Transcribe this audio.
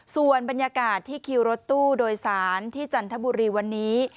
ส่วนบรรยากาศที่คิวรถตู้โดยสารที่จันทบุรีวันนี้